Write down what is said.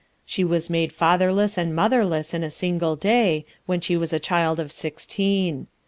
She was made fatherless and motherless in a single day, when she was a child of sixteen.